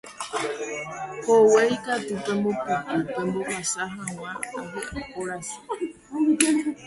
hogue ikatu pembopupu pembohasa hag̃ua ahy'orasy